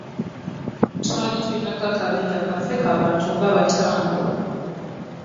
Twali tulina ka akabinja kaffe ka bantu nga bataano.